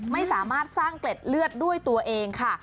ไม่สามารถสร้างเกล็ดเลือดด้วยตัวเองค่ะ